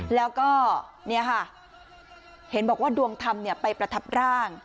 แล้วก็เนี่ยค่ะเห็นบอกว่าดวงธรรมไปประทับร่าง